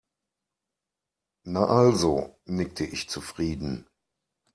Na also, nickte ich zufrieden.